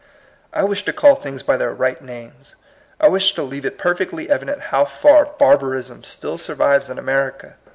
I wish to call things by their right names. I wish to leave it perfectly evident how far barbarism still survives in America.